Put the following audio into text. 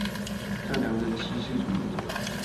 善良的歧視主義者